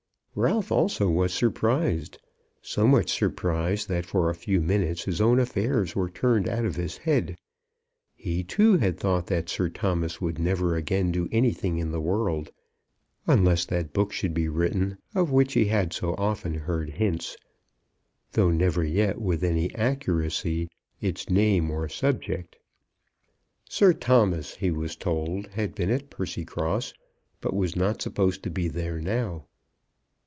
Ralph also was surprised, so much surprised that for a few minutes his own affairs were turned out of his head. He, too, had thought that Sir Thomas would never again do anything in the world, unless that book should be written of which he had so often heard hints, though never yet, with any accuracy, its name or subject. Sir Thomas, he was told, had been at Percycross, but was not supposed to be there now.